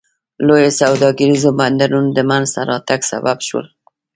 لویو سوداګریزو بندرونو د منځته راتګ سبب شول.